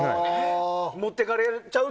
持っていかれちゃうと。